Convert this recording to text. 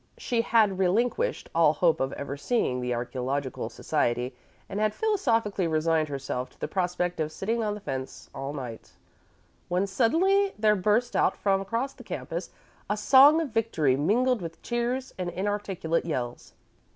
She had relinquished all hope of ever seeing the Archæological Society, and had philosophically resigned herself to the prospect of sitting on the fence all night, when suddenly there burst out from across the campus a song of victory, mingled with cheers and inarticulate yells.